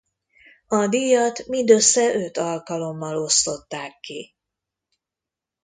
A díjat mindössze öt alkalommal osztották ki.